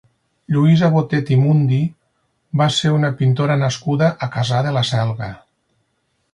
Lluïsa Botet i Mundi va ser una pintora nascuda a Cassà de la Selva.